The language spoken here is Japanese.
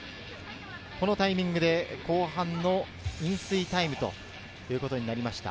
このタイミングで後半の飲水タイムということになりました。